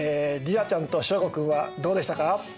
莉奈ちゃんと祥伍君はどうでしたか？